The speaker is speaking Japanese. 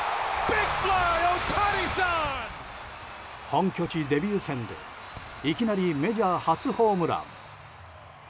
本拠地デビュー戦でいきなりメジャー初ホームラン。